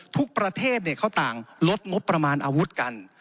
ทุกประเทศเขาต่างลดงบประมาณอาวุธกัน